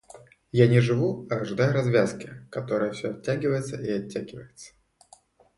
Я не живу, а ожидаю развязки, которая все оттягивается и оттягивается.